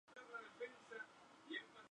No se conocen detalles de su vida.